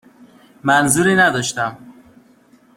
منظوری نداشتم.